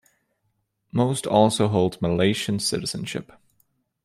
Most also hold Malaysian citizenship.